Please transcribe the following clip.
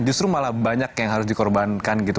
justru malah banyak yang harus dikorbankan gitu